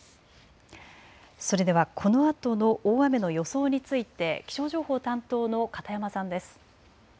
それではこのあとの大雨の予想について気象情報担当の片山さんです。